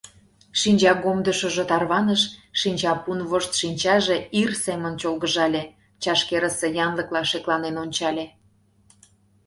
Шинчагомдышыжо тарваныш, шинчапун вошт шинчаже ир семын чолгыжале, чашкерысе янлыкла шекланен ончале.